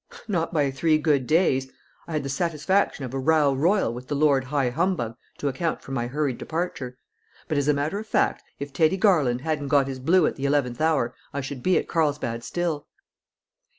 "Not by three good days. I had the satisfaction of a row royal with the Lord High Humbug to account for my hurried departure. But, as a matter of fact, if Teddy Garland hadn't got his Blue at the eleventh hour I should be at Carlsbad still."